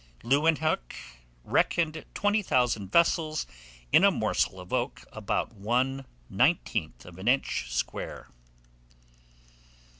Leuwenhoeck reckoned 20,000 vessels in a morsel of oak about one nineteenth of an inch square.